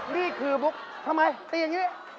นี่คือบุ๊กทำไมตีอย่างนี้